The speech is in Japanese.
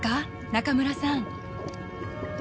中村さん。